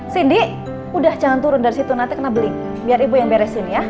cindy udah jangan turun dari situ nanti kena beli biar ibu yang beresin ya